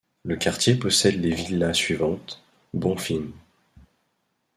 Le quartier possède les villas suivantes: Bonfim.